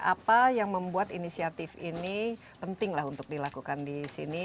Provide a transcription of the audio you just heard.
apa yang membuat inisiatif ini penting lah untuk dilakukan di sini